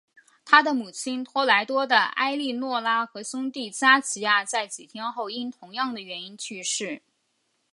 他的母亲托莱多的埃利诺拉和兄弟加齐亚在几天后因同样的原因去世。